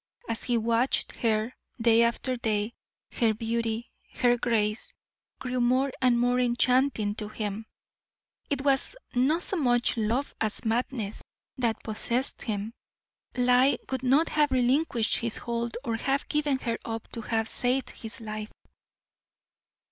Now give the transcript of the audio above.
As he watched her, day after day, her beauty, her grace, grew more and more enchanting to him. It was not so much love as madness that possessed him; lie would not have relinquished his hold or have given her up to have saved his life.